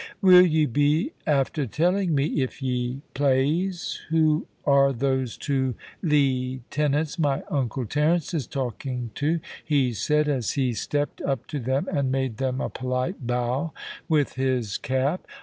"Will ye be after telling me, if ye plase, who are those two leetenants my Uncle Terence is talking to?" he said, as he stepped up to them and made them a polite bow with his cap.